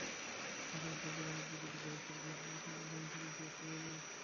আঠারোটি গ্রামের প্রতিটি বাড়িই সড়ক-মহাসড়কের সঙ্গে গ্রামীণ সড়ক দিয়ে সুন্দরভাবে যুক্ত।